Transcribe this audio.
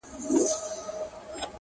• يو په بل مي انسانان دي قتل كړي -